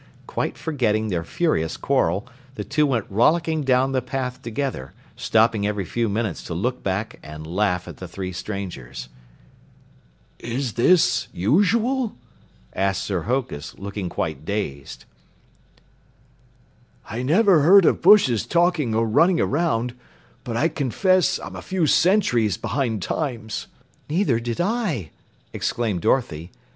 Quite forgetting their furious quarrel, the two went rollicking down the path together, stopping every few minutes to look back and laugh at the three strangers. "Is this usual?" asked Sir Hokus, looking quite dazed. "I never heard of bushes talking or running around, but I confess I'm a few centuries behind times!" "Neither did I!" exclaimed Dorothy.